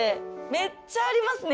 めっちゃありますね